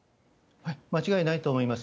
間違いないと思います。